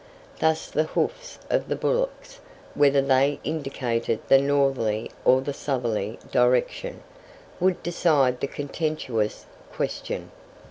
Thus the hoofs of the bullocks, whether they indicated the northerly or the southerly direction, would decide the contentious question.